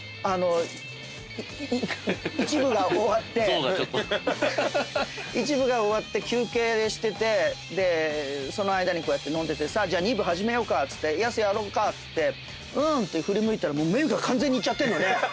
ホント。で１部が終わって休憩しててその間にこうやって飲んでてじゃあ２部始めようかっつってよしやろうかっつってうんって振り向いたら目が完全にいっちゃってんの。